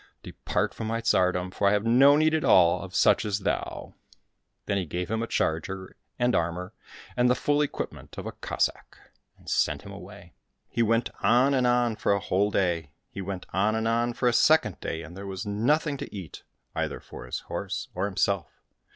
Depart from my tsardom, for I have no need at all of such as thou." Then he gave him a charger and armour, and the full equipment of a Cossack, and sent him away. He went on and on for a whole day, he went on and on for a second day, and there was nothing to eat, either for his horse or himself.